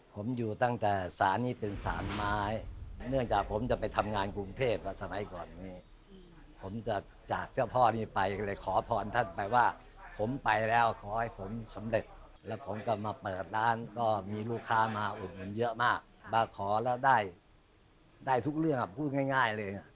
ขอพรท่านแปลว่าผมไปแล้วขอให้ผมสำเร็จแล้วผมก็มาเปิดร้านก็มีลูกค้ามาอุดหมุนเยอะมากมาขอแล้วได้ได้ทุกเรื่องครับพูดง่ายเลย